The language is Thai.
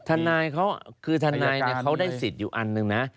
ทนายเขาได้สิทธิ์อยู่อันหนึ่งนะ